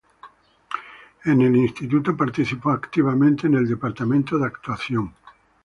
En el instituto participó activamente en el departamento de actuación.